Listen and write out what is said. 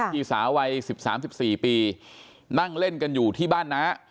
พี่สาววัย๑๓๑๔ปีนั่งเล่นกันอยู่ที่บ้านน้า